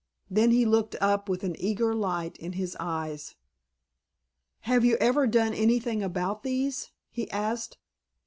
Then he looked up with an eager light in his eyes. "Have you ever done anything about these?" he asked.